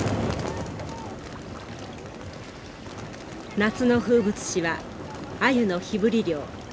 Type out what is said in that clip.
夏の風物詩はアユの火ぶり漁。